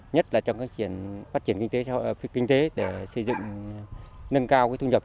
nhất là trong phát triển kinh tế để xây dựng nâng cao thu nhập